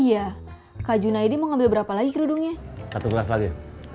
iya kajuna ini mau ambil berapa lagi kerudungnya satu belas lagi